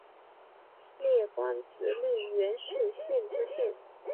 历官直隶元氏县知县。